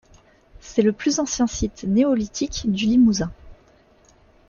C'est le plus ancien site néolithique du Limousin.